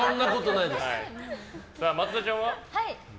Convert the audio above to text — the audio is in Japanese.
松田ちゃんは？